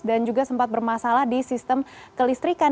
dan juga sempat bermasalah di sistem kelistrikan